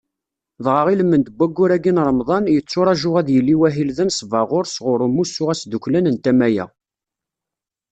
Dɣa ilmend n waggur-agi n Remḍan, yetturaǧu ad yili wahil d anesbaɣur sɣur umussu asdukklan n tama-a.